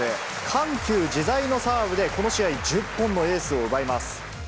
緩急自在のサーブで、この試合１０本のエースを奪います。